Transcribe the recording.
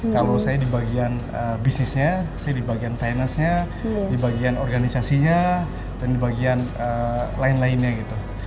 kalau saya di bagian bisnisnya saya di bagian finance nya di bagian organisasinya dan di bagian lain lainnya gitu